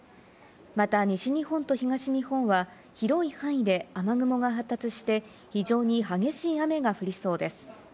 また、西日本と東日本は広い範囲で雨雲が発達して、非常に激しい雨が降りそうです。